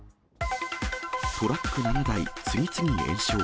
トラック７台次々延焼。